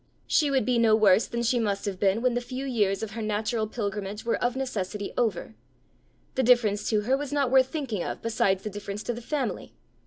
she would be no worse than she must have been when the few years of her natural pilgrimage were of necessity over: the difference to her was not worth thinking of beside the difference to the family!